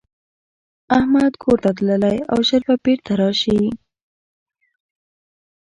احمدکورته تللی دی او ژر به بيرته راشي.